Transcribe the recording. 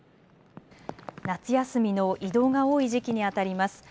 夏休みの移動が多い時期にあたります。